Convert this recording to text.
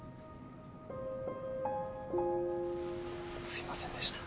すいませんでした。